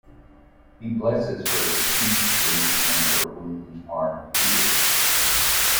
He blesses her with each drink, and her wounds are healed.